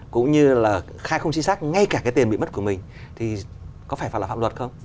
cũng như là khai không chính xác ngay cả cái tiền bị mất của mình thì có phải phải là pháp luật không